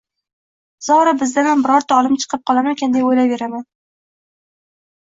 Zora bizdanam bironta olim chiqib qolarmikin deb o‘ylayveraman.